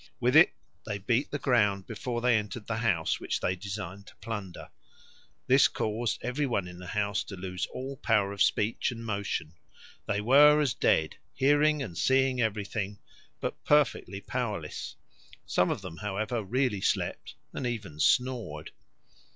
With it they beat the ground before they entered the house which they designed to plunder; this caused every one in the house to lose all power of speech and motion; they were as dead, hearing and seeing everything, but perfectly powerless; some of them, however, really slept and even snored.